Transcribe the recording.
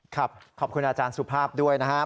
ครับขอบคุณอาจารย์สุภาพด้วยนะครับ